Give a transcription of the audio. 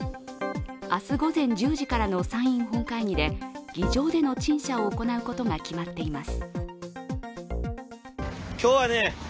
明日午前１０時からの参院本会議で議場での陳謝を行うことが決まっています。